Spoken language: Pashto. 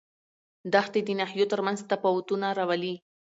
دښتې د ناحیو ترمنځ تفاوتونه راولي.